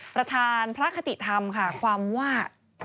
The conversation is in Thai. ประธานพระคติธรรมค่ะความว่า